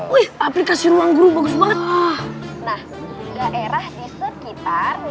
wih wih aplikasi ruang guru bagus banget